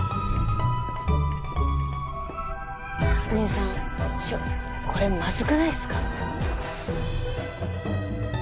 姐さんちょこれまずくないっすか？